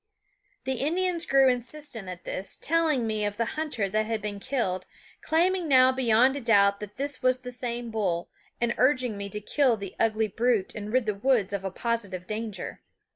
The Indians grew insistent at this, telling me of the hunter that had been killed, claiming now, beyond a doubt, that this was the same bull, and urging me to kill the ugly brute and rid the woods of a positive danger.